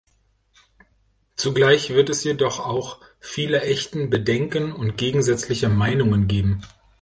Zugleich wird es jedoch auch viele echten Bedenken und gegensätzliche Meinungen geben.